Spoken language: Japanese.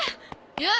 よっ！